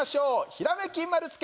「ひらめき丸つけ」